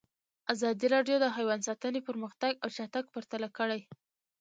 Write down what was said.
ازادي راډیو د حیوان ساتنه پرمختګ او شاتګ پرتله کړی.